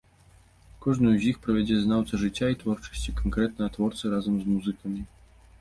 Кожную з іх правядзе знаўца жыцця і творчасці канкрэтнага творцы разам з музыкамі.